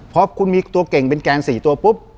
พอคุณมีตัวเก่งเป็นแกน๔ตัวปุ๊บ